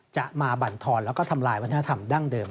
จะมาบรรทอนแล้วก็ทำลายวัฒนธรรมดั้งเดิม